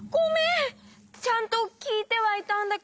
ちゃんときいてはいたんだけど。